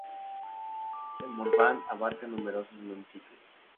El Morvan abarca numerosos municipios.